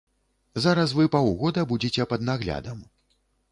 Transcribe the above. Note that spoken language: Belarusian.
Зараз вы паўгода будзеце пад наглядам.